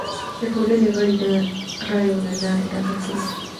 د ټولنې غړي د رایو له لارې ټاکل کیږي.